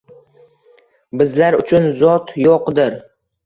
Bizlar uchun zot yo‘qdir